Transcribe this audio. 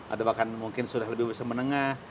atau bahkan mungkin sudah lebih bisa menengah